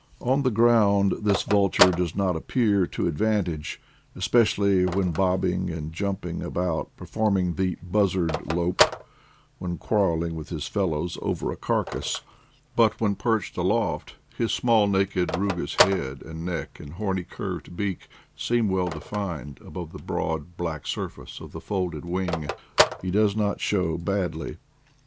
/ On the ground this vulture does not appear to / advantage, especially when bobbing and jumping about, performing the *' buzzard lope, '' when quar reling with his fellows over a carcass : but when perched aloft, his small naked rugous head and neck and horny curved beak seen well defined above the broad black surface of the folded wing, he does not show badly.